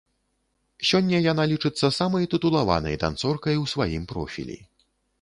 Сёння яна лічыцца самай тытулаванай танцоркай у сваім профілі.